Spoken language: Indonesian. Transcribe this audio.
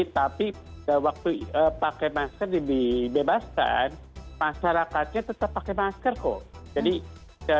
tapi waktu pakai masker dibebaskan masyarakatnya tetap pakai masker kok